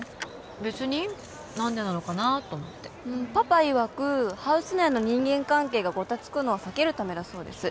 別に何でなのかなと思ってパパいわくハウス内の人間関係がゴタつくのを避けるためだそうです